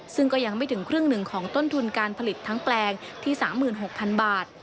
ซึ่งก็ยังไม่ถึงครึ่งหนึ่งของต้นทุนการผลิตทั้งแปลงที่๓๖๐๐๐บาท